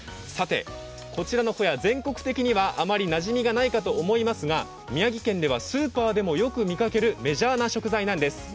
こちらのホヤ、全国的にはあまりなじみがないかと思いますが、宮城県ではスーパーでもよく見かけるメジャーな食材なんです。